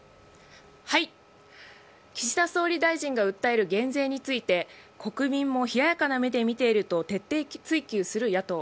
岸田総理大臣が訴える減税について国民も冷ややかな目で見ていると徹底追及する野党。